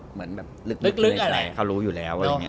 เหมือนแบบลึกอะไรเขารู้อยู่แล้ว